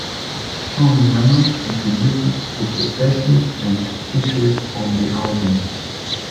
Sean Lennon contributed to the sessions and features on the album.